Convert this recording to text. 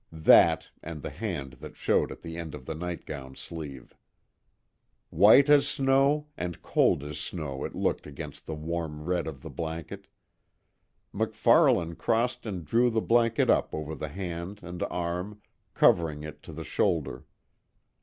That and the hand that showed at the end of the nightgown sleeve. White as snow and cold as snow it looked against the warm red of the blanket. MacFarlane crossed and drew the blanket up over the hand and arm, covering it to the shoulder.